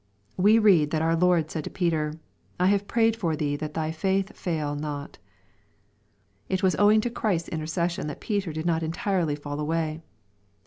We read that our Lord said to Peter, " I have prayed for thee that thy faith fail not.'' It was owing to Christ's intercession that Peter did not entirely fall away.